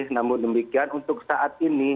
namun demikian untuk saat ini